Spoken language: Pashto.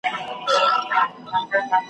پوهېدی چي نور د نوي کور مقیم سو ,